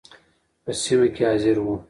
په سیمه کې حاضر وو.